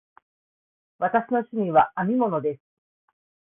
私の趣味は編み物です。